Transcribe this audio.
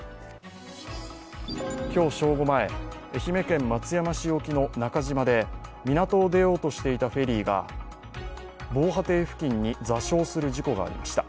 今日正午前、愛媛県松山市沖の中島で港を出ようとしていたフェリーが防波堤付近に挫傷する事故がありました。